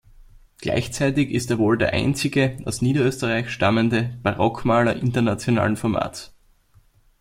Gleichzeitig ist er wohl der einzige aus Niederösterreich stammende Barockmaler internationalen Formats.